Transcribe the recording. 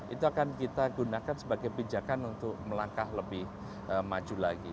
itu akan kita gunakan sebagai pijakan untuk melangkah lebih maju lagi